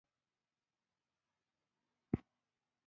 مس بارکلي: ډېره جالبه، خو ښکلې جبهه ده، ډېره په زړه پورې ده.